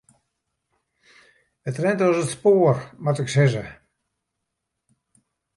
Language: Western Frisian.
It rint as it spoar moat ik sizze.